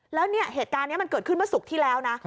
แล้วเนี่ยเหตุการณ์นี้มันเกิดขึ้นเมื่อศุกร์ที่แล้วนะ